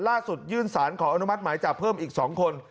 ยื่นสารขออนุมัติหมายจับเพิ่มอีก๒คน